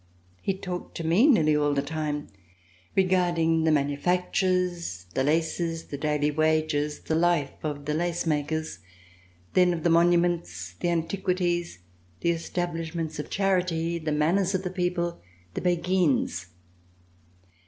He talked to me nearly all the time, regarding the manufactures, the laces, the daily wages, the life of the lace makers; then of the monuments, the antiquities, the establish ments of charity, the manners of the people, the C358] VISIT OF THE EMPEROR beguines.